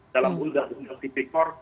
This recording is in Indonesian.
dalam undang undang tipik kor